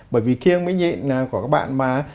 bởi vì kiêng mới nhịn của các bạn mà